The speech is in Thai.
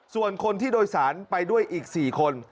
ส่วนคนที่โดยสารไปด้วยอีก๔คน